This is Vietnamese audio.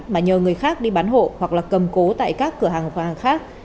mà nhờ người khác đi bán hộ hoặc là cầm cố tại các cửa hàng quà hàng khác